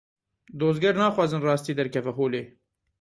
Dozger naxwazin rastî derkeve holê.